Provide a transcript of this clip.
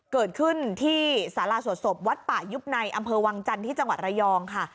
เกิดขึ้นที่สาราสวดศพวัดป่ายุบในอำเภอวังจันทร์ที่จังหวัดระยองค่ะ